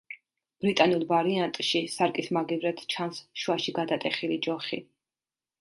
ბრიტანულ ვარიანტში სარკის მაგივრად ჩანს შუაში გადატეხილი ჯოხი.